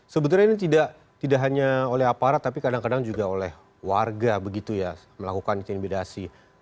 sebetulnya ini tidak hanya oleh aparat tapi kadang kadang juga oleh warga begitu ya melakukan intimidasi